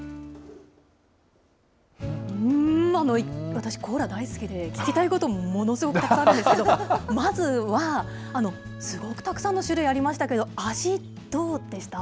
私、コーラ大好きで、聞きたいこと、ものすごくたくさんあるんですけど、まずは、すごくたくさんの種類ありましたけど、味、どうでした？